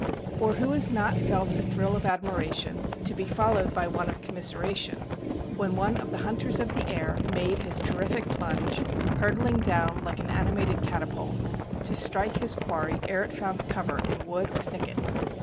Or who has not felt a thrill of admiration, to be followed by one of commiseration, when one of the hunters of the air made his terrific plunge, hurtling down like an animated catapult, to strike his quarry ere it found cover in wood or thicket?